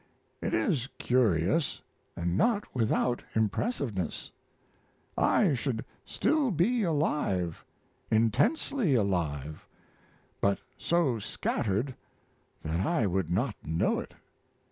It is curious, and not without impressiveness: I should still be alive, intensely alive, but so scattered that I would not know it.